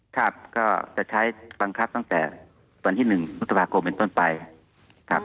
ครับก็จะใช้บังคับตั้งแต่วันที่๑มกราคมเป็นต้นไปครับ